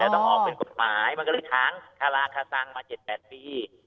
อ๋อแล้วต้องออกเป็นกฎหมายมันก็เลยค้างคาลาคาซังมาเจ็ดแปดปี